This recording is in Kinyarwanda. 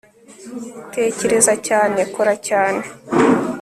tekereza cyane. kora cyane